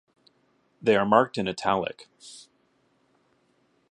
They are marked in "italic".